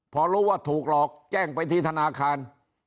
พอรู้ว่าถูกหลอกแจ้งไปที่ธนาคาร